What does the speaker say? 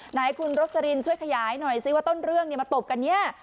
ไหนคุณโรสลินช่วยขยายหน่อยซิว่าต้นเรื่องมาตบกันเนี่ย